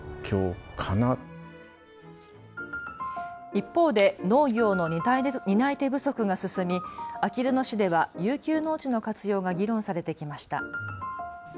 一方で農業の担い手不足が進みあきる野市では遊休農地の活用が議論されてきました。